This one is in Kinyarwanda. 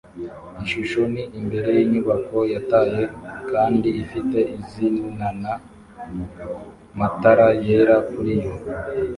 Ishusho ni imbere yinyubako yataye kandi ifite izinana matara yera kuriyo